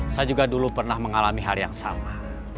saya juga dulu pernah mengalami hal yang sama